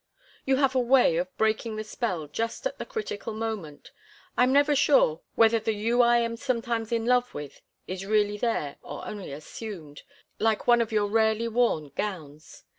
"You have a way of breaking the spell just at the critical moment. I am never sure whether the you I am sometimes in love with is really there or only assumed, like one of your rarely worn gowns.